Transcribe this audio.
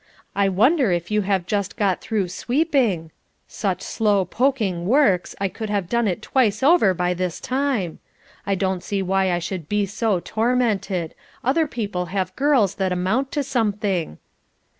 I wonder if you have just got through sweeping; such slow poking works, I could have done it twice over by this time. I don't see why I should be so tormented; other people have girls that amount to something."